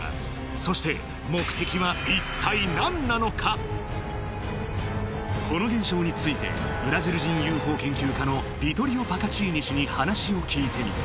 そしてこの現象についてブラジル人ＵＦＯ研究家のヴィトリオ・パカチーニ氏に話を聞いてみた